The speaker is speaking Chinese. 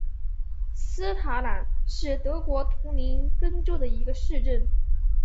施塔瑙是德国图林根州的一个市镇。